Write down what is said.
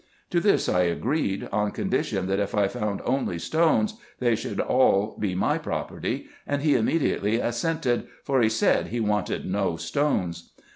To this I agreed, on condition that if I found only stones, they should be all my own property ; and he immediately assented, for he said he wanted no stones.